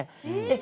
え！？